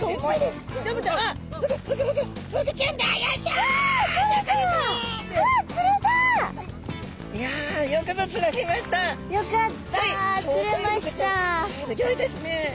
すギョいですね！